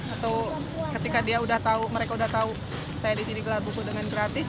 atau ketika mereka sudah tahu saya di sini gelar buku dengan gratis